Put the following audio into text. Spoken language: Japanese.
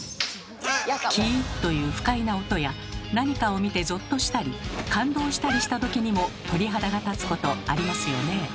「キー」という不快な音や何かを見てゾッとしたり感動したりした時にも鳥肌が立つことありますよね？